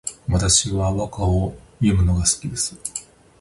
私は和歌を詠むのが好きです